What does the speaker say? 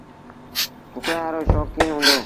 ڪُڪڙآن رو شوڪيٚن هُݩدو۔